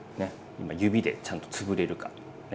今指でちゃんとつぶれるかね。